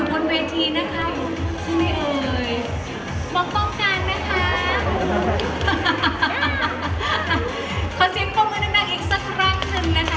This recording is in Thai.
บนเพศทีนะคะแล้ว